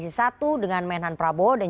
insya allah akan